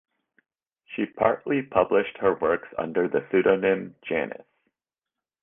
She partly published her works under the pseudonym "Janus".